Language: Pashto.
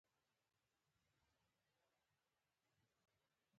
ګړز سو سرې لمبې ترې پورته سوې.